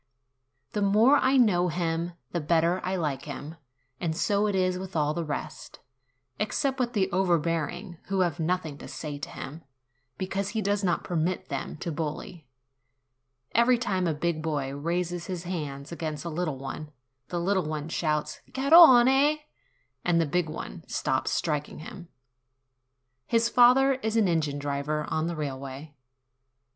The more I know him, the better I like him ; and so it is with all the rest, except with the overbearing, who have nothing to say to him, because he does not permit them to bully. Every time a big boy raises his hand against a little one, the little one shouts, "Garrone!" and the big one stops striking him. His father is an engine driver on the railway.